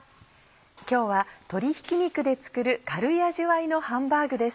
今日は鶏ひき肉で作る軽い味わいのハンバーグです。